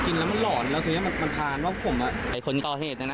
จริงแล้วมันหลอนแล้วทีนี้มันทานว่าผมไอ้คนก่อเหตุนะนะ